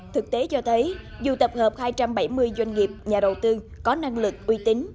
thực tế cho thấy dù tập hợp hai trăm bảy mươi doanh nghiệp nhà đầu tư có năng lực uy tín